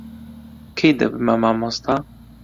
کەی دەبمە مامۆستا؟